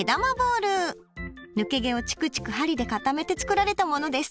抜け毛をチクチク針で固めて作られたものです。